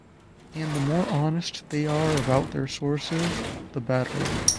And the more honest they are about their sources, the better.